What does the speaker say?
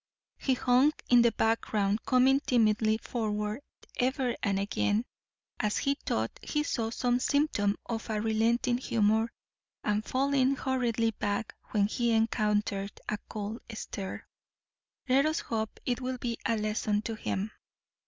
He hung in the background, coming timidly forward ever and again as he thought he saw some symptom of a relenting humour, and falling hurriedly back when he encountered a cold stare. Let us hope it will be a lesson to him.